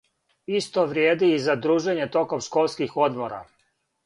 Исто вриједи и за дружење током школских одмора.